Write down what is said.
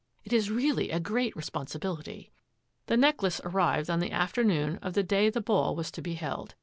It is really a great responsibility." The necklace arrived on the afternoon of the day the ball was to be held.